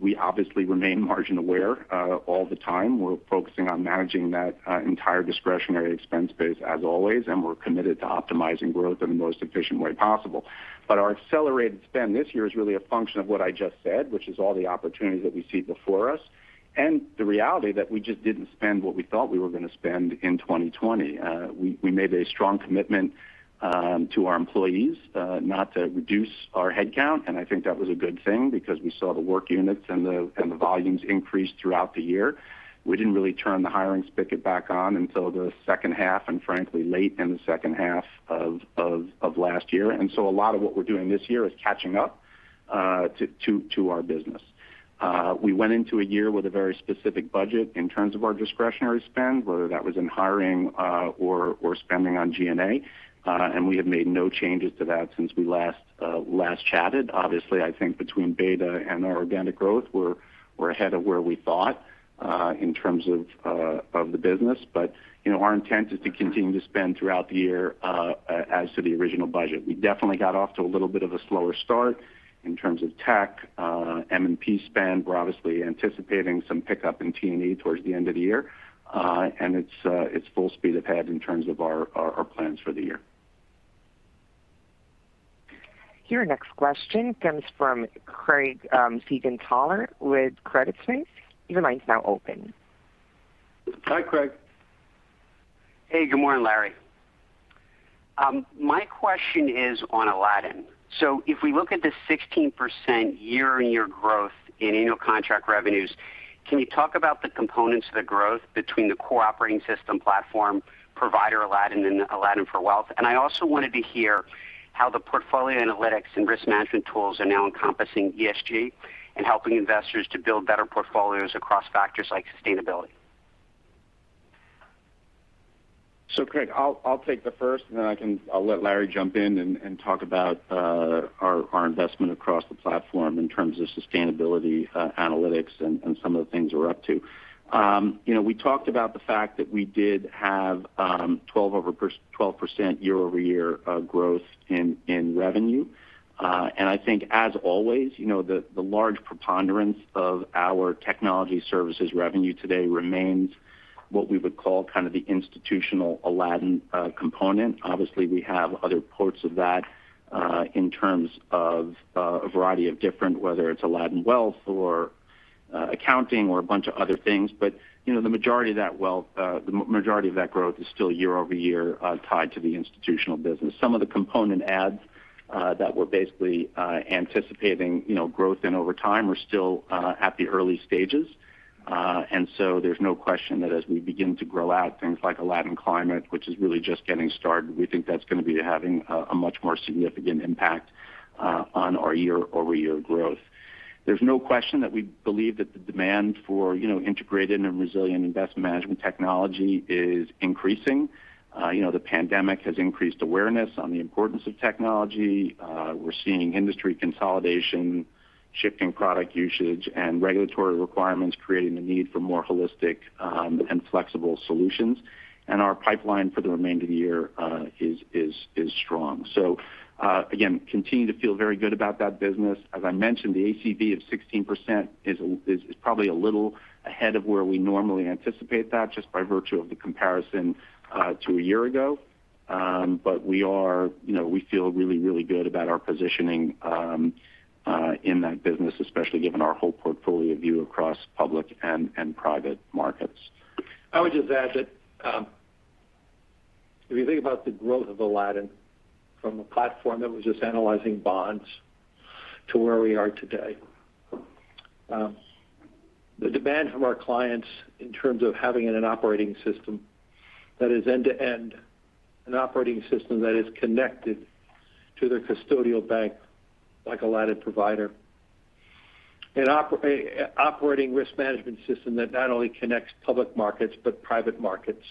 we obviously remain margin aware all the time. We're focusing on managing that entire discretionary expense base as always. We're committed to optimizing growth in the most efficient way possible. Our accelerated spend this year is really a function of what I just said, which is all the opportunities that we see before us, and the reality that we just didn't spend what we thought we were going to spend in 2020. We made a strong commitment to our employees not to reduce our headcount, and I think that was a good thing because we saw the work units and the volumes increase throughout the year. We didn't really turn the hiring spigot back on until the second half, and frankly, late in the second half of last year. A lot of what we're doing this year is catching up to our business. We went into a year with a very specific budget in terms of our discretionary spend, whether that was in hiring or spending on G&A, and we have made no changes to that since we last chatted. Obviously, I think between beta and our organic growth, we're ahead of where we thought in terms of the business. Our intent is to continue to spend throughout the year as to the original budget. We definitely got off to a little bit of a slower start in terms of tech and M&P spend. We're obviously anticipating some pickup in T&E towards the end of the year. It's full speed ahead in terms of our plans for the year. Your next question comes from Craig Siegenthaler with Credit Suisse. Your line's now open. Hi, Craig. Hey, good morning, Laurence. My question is on Aladdin. If we look at the 16% year-on-year growth in annual contract revenues, can you talk about the components of the growth between the core operating system platform provider, Aladdin and Aladdin Wealth? I also wanted to hear how the portfolio analytics and risk management tools are now encompassing ESG and helping investors to build better portfolios across factors like sustainability. Craig, I'll take the first, and then I'll let Laurence jump in and talk about our investment across the platform in terms of sustainability analytics and some of the things we're up to. We talked about the fact that we did have 12% year-over-year growth in revenue. I think, as always, the large preponderance of our technology services revenue today remains what we would call kind of the institutional Aladdin component. Obviously, we have other parts of that in terms of a variety of different, whether it's Aladdin Wealth or accounting or a bunch of other things. The majority of that growth is still year-over-year tied to the institutional business. Some of the component adds that we're basically anticipating growth in over time are still at the early stages. There's no question that as we begin to grow out things like Aladdin Climate, which is really just getting started, we think that's going to be having a much more significant impact on our year-over-year growth. There's no question that we believe that the demand for integrated and resilient investment management technology is increasing. The pandemic has increased awareness on the importance of technology. We're seeing industry consolidation, shifting product usage, and regulatory requirements creating the need for more holistic and flexible solutions. Our pipeline for the remainder of the year is strong. Again, continue to feel very good about that business. As I mentioned, the ACV of 16% is probably a little ahead of where we normally anticipate that, just by virtue of the comparison to a year ago. We feel really, really good about our positioning in that business, especially given our whole portfolio view across public and private markets. I would just add that if you think about the growth of Aladdin from a platform that was just analyzing bonds to where we are today, the demand from our clients in terms of having an operating system that is end-to-end, an operating system that is connected to their custodial bank like Aladdin Provider, an operating risk management system that not only connects public markets but private markets.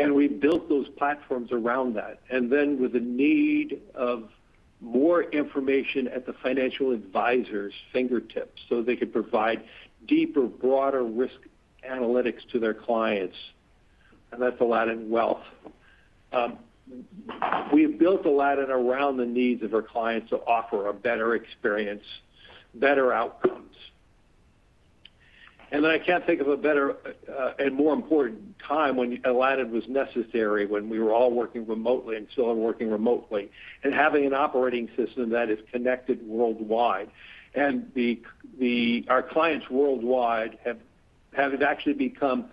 We built those platforms around that. Then, with the need of more information at the financial advisor's fingertips so they could provide deeper, broader risk analytics to their clients, and that's Aladdin Wealth. We've built Aladdin around the needs of our clients to offer a better experience, better outcomes. I can't think of a better and more important time when Aladdin was necessary, when we were all working remotely and still are working remotely, and having an operating system that is connected worldwide. Our clients worldwide have actually become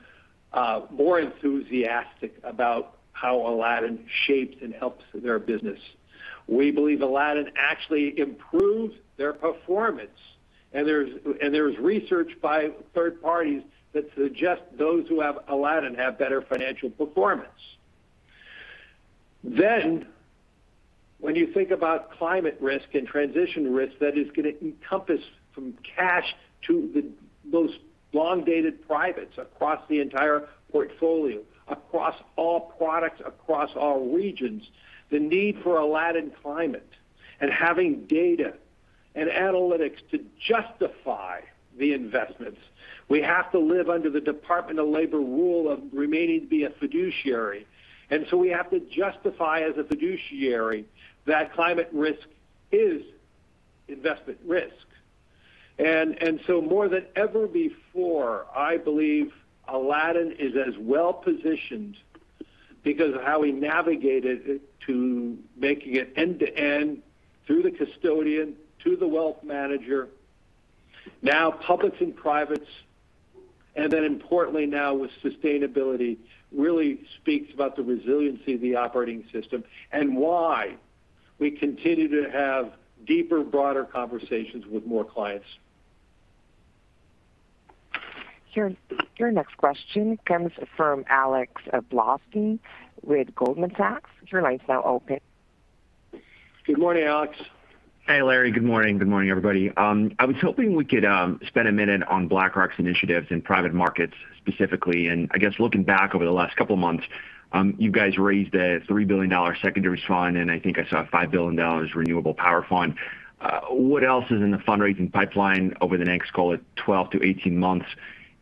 more enthusiastic about how Aladdin shapes and helps their business. We believe Aladdin actually improved their performance. There's research by third parties that suggest those who have Aladdin have better financial performance. When you think about climate risk and transition risk, that is going to encompass from cash to the most long-dated privates across the entire portfolio, across all products, across all regions, the need for Aladdin Climate and having data and analytics to justify the investments. We have to live under the Department of Labor rule of remaining to be a fiduciary. We have to justify as a fiduciary that climate risk is investment risk. More than ever before, I believe Aladdin is as well-positioned because of how we navigated to making it end-to-end through the custodian to the wealth manager. Publics and privates, and then importantly, now with sustainability, really speaks about the resiliency of the operating system and why we continue to have deeper, broader conversations with more clients. Your next question comes from Alexander Blostein with Goldman Sachs. Your line's now open. Good morning, Alex. Hey, Laurence. Good morning. Good morning, everybody. I was hoping we could spend a minute on BlackRock's initiatives in private markets specifically. I guess looking back over the last couple of months, you guys raised a $3 billion secondary fund, and I think I saw a $5 billion renewable power fund. What else is in the fundraising pipeline over the next, call it, 12-18 months?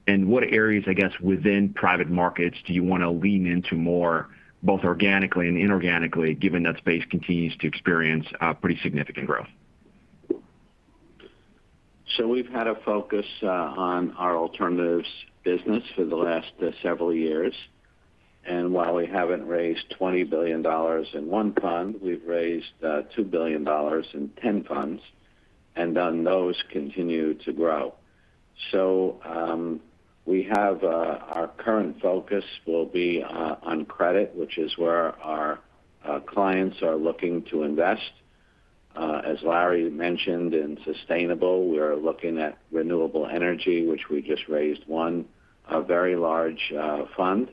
What areas, I guess, within private markets do you want to lean into more, both organically and inorganically, given that space continues to experience pretty significant growth? We've had a focus on our alternatives business for the last several years. While we haven't raised $20 billion in one fund, we've raised $2 billion in 10 funds, those continue to grow. Our current focus will be on credit, which is where our clients are looking to invest. As Laurence mentioned, in sustainable, we are looking at renewable energy, which we just raised one very large fund.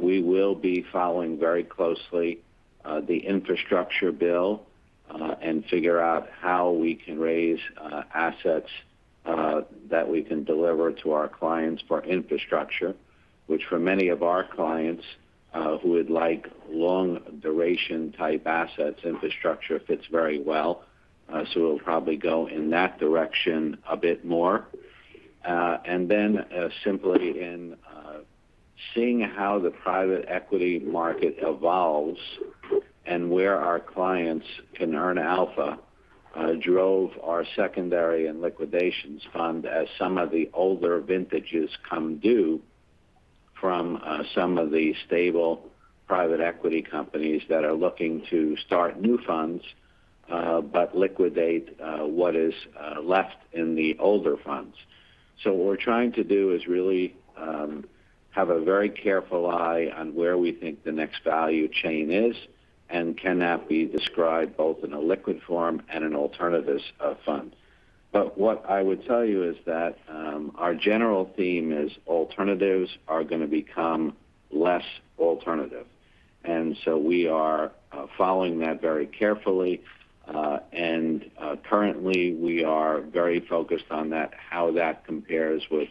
We will be following very closely the infrastructure bill and figure out how we can raise assets that we can deliver to our clients for infrastructure, which for many of our clients who would like long-duration type assets, infrastructure fits very well. We'll probably go in that direction a bit more. Simply seeing how the private equity market evolves and where our clients can earn alpha drove our secondary and liquidations fund, as some of the older vintages come due from some of the stable private equity companies that are looking to start new funds but liquidate what is left in the older funds. What we're trying to do is really have a very careful eye on where we think the next value chain is, and can that be described both in a liquid form and an alternatives fund. What I would tell you is that our general theme is alternatives are going to become less alternative. We are following that very carefully. Currently, we are very focused on how that compares with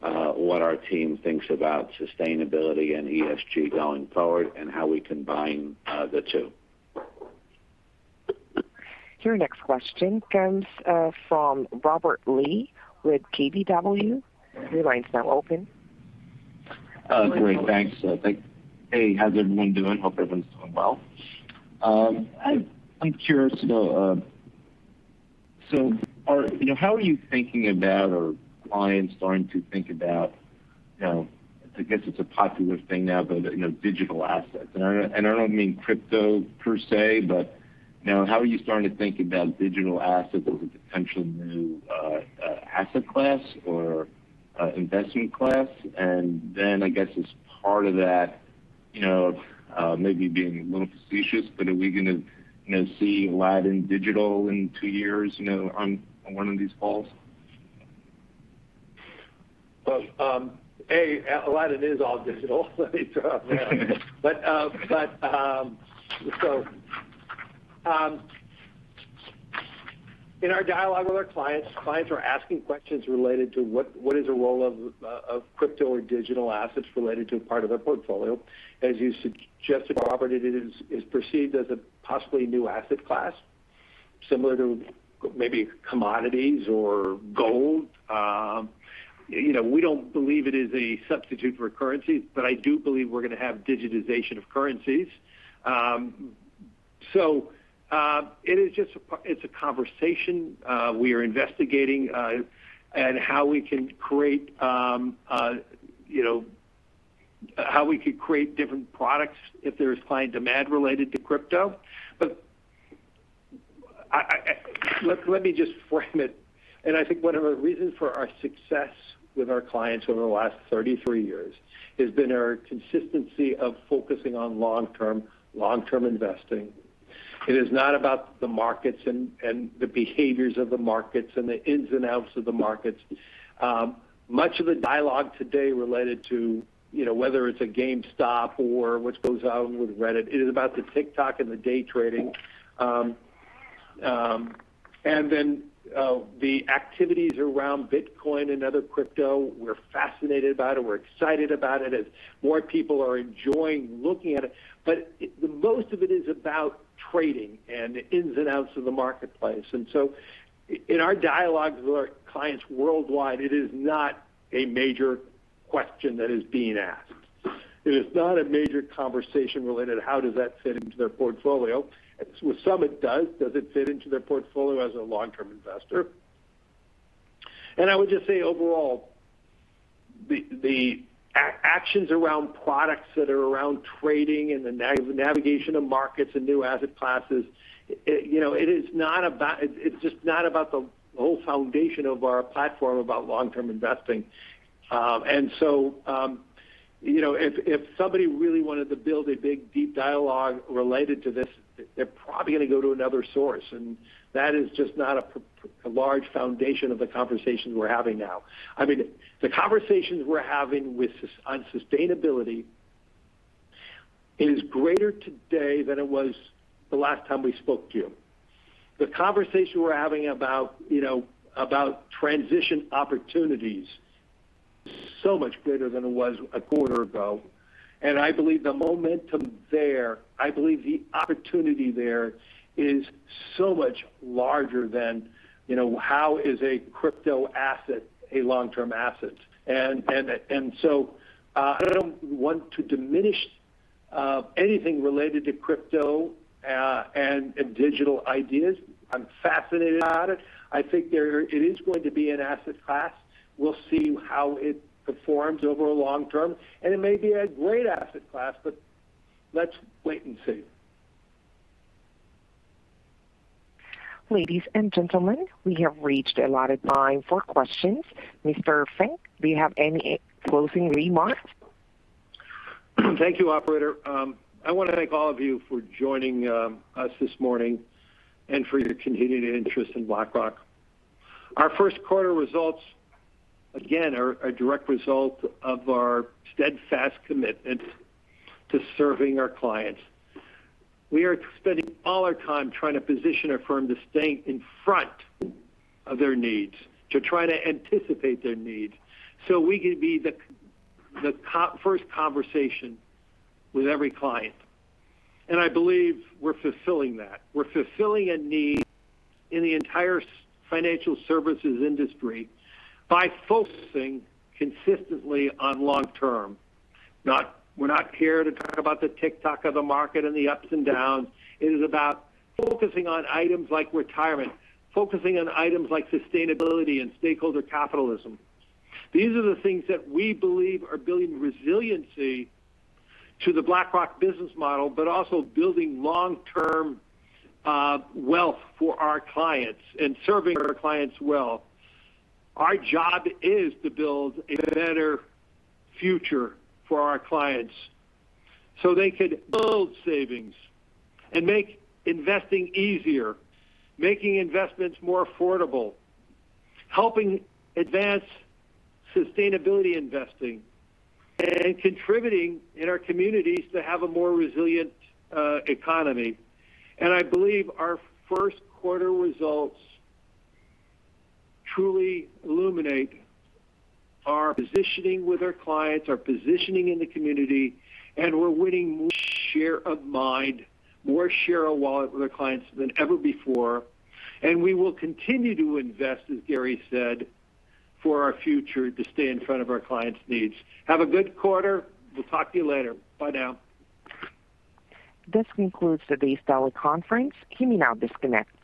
what our team thinks about sustainability and ESG going forward, and how we combine the two. Your next question comes from Robert Lee with KBW. Your line's now open. Great, thanks. Hey, how's everyone doing? Hope everyone's doing well. I'm curious to know, how are you thinking about, or clients starting to think about, I guess it's a popular thing now, but digital assets. I don't mean crypto per se, but how are you starting to think about digital assets as a potential new asset class or investment class? I guess as part of that, maybe being a little facetious, but are we going to see Aladdin digital in two years, on one of these calls? A, Aladdin is all digital, let me throw out there. In our dialogue with our clients are asking questions related to what the role of crypto or digital assets is related to part of their portfolio. As you suggested, Robert, it is perceived as a possibly new asset class, similar to maybe commodities or gold. We don't believe it is a substitute for currencies, but I do believe we're going to have the digitization of currencies. It's a conversation we are investigating on how we could create different products if there's client demand related to crypto. Let me just frame it. I think one of the reasons for our success with our clients over the last 33 years has been our consistency of focusing on long-term investing. It is not about the markets and the behaviors of the markets and the ins and outs of the markets. Much of the dialogue today related to, whether it's a GameStop or what goes on with Reddit, it is about the TikTok and the day trading. The activities around Bitcoin and other crypto, we're fascinated about it. We're excited about it, as more people are enjoying looking at it. The most of it is about trading and the ins and outs of the marketplace. In our dialogues with our clients worldwide, it is not a major question that is being asked. It is not a major conversation related to how does that fit into their portfolio. With some, it does. Does it fit into their portfolio as a long-term investor? I would just say overall, the actions around products that are around trading and the navigation of markets and new asset classes, it's just not about the whole foundation of our platform, about long-term investing. If somebody really wanted to build a big, deep dialogue related to this, they're probably going to go to another source, and that is just not a large foundation of the conversations we're having now. The conversations we're having on sustainability is greater today than it was the last time we spoke to you. The conversation we're having about transition opportunities, so much greater than it was a quarter ago. I believe the momentum there, I believe the opportunity there is so much larger than, how is a crypto asset a long-term asset? I don't want to diminish anything related to crypto and digital ideas. I'm fascinated about it. I think it is going to be an asset class. We'll see how it performs over the long term, and it may be a great asset class, but let's wait and see. Ladies and gentlemen, we have reached the allotted time for questions. Mr. Fink, do you have any closing remarks? Thank you, operator. I want to thank all of you for joining us this morning and for your continued interest in BlackRock. Our first quarter results, again, are a direct result of our steadfast commitment to serving our clients. We are spending all our time trying to position our firm to stay in front of their needs, to try to anticipate their needs, so we can be the first conversation with every client. I believe we're fulfilling that. We're fulfilling a need in the entire financial services industry by focusing consistently on the long-term. We're not here to talk about the TikTok of the market and the ups and downs. It is about focusing on items like retirement, focusing on items like sustainability, and stakeholder capitalism. These are the things that we believe are building resiliency to the BlackRock business model but also building long-term wealth for our clients and serving our clients well. Our job is to build a better future for our clients so they can build savings and make investing easier, making investments more affordable, helping advance sustainability investing, and contributing in our communities to have a more resilient economy. I believe our first quarter results truly illuminate our positioning with our clients, our positioning in the community, and we're winning more share of mind, more share of wallet with our clients than ever before. We will continue to invest, as Gary said, for our future to stay in front of our clients' needs. Have a good quarter. We'll talk to you later. Bye now. This concludes today's teleconference. You may now disconnect.